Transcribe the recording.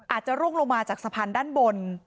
ร่วงลงมาจากสะพานด้านบน